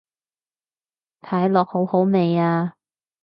睇落好好味啊